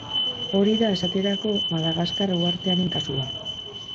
Hori da, esaterako, Madagaskar uhartearen kasua.